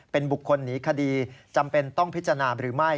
เป็นบุคคลหนีคดีจำเป็นต้องพิจารณาหรือไม่